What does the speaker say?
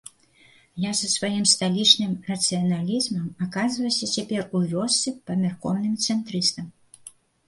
Я са сваім сталічным рацыяналізмам аказваюся цяпер у вёсцы памяркоўным цэнтрыстам.